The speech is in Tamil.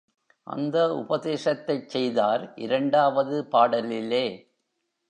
அந்த உபதேசத்தைச் செய்தார் இரண்டாவது பாடலிலே.